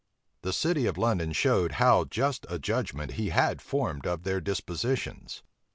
The city of London showed how just a judgment he had formed of their dispositions.